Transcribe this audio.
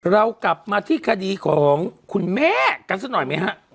เรากลับมาที่คดีของคุณแม่กันสักหน่อยไหมฮะ